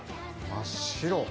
真っ白。